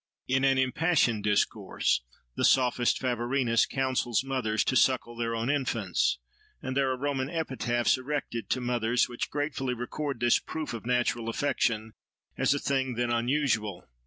In an impassioned discourse the sophist Favorinus counsels mothers to suckle their own infants; and there are Roman epitaphs erected to mothers, which gratefully record this proof of natural affection as a thing then unusual.